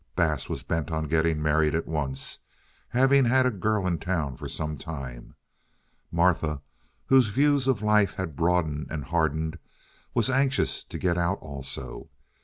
Bass was bent on getting married at once, having had a girl in town for some time. Martha, whose views of life had broadened and hardened, was anxious to get out also.